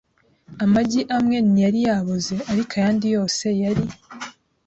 Amagi amwe ntiyari yaboze, ariko ayandi yose yari .